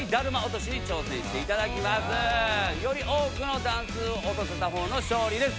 より多くの段数を落とせたほうの勝利です。